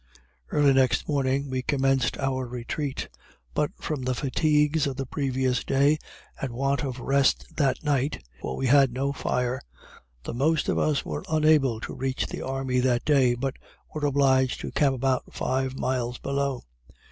Early next morning we commenced our retreat, but from the fatigues of the previous day, and want of rest that night, (for we had no fire,) the most of us were unable to reach the army that day, but were obliged to camp about five miles below.